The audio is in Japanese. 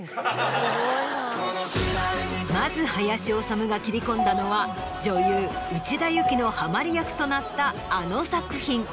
まず林修が切り込んだのは女優内田有紀のハマり役となったあの作品。